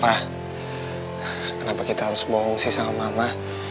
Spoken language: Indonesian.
ma kenapa kita harus bohong sih sama mama